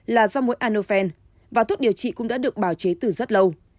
là do mũi anofen và thuốc điều trị cũng đã được bảo chế từ rất lâu